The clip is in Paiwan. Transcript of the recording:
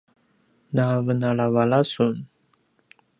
navenalavala sun!